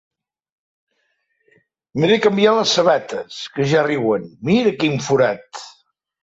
M'he de canviar les sabates, que ja riuen: mira quin forat!